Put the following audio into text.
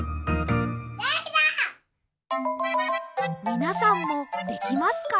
みなさんもできますか？